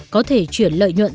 có thể chuyển lợi nhuận